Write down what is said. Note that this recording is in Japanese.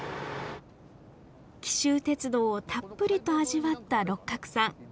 紀州鉄道をたっぷりと味わった六角さん。